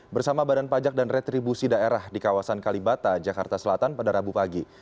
bersama badan pajak dan retribusi daerah di kawasan kalibata jakarta selatan pada rabu pagi